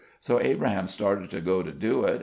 So Abraham started to go to do it.